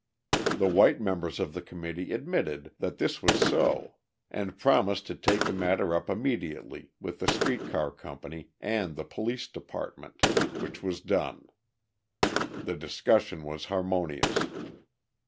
The white members of the committee admitted that this was so and promised to take the matter up immediately with the street car company and the police department, which was done. The discussion was harmonious.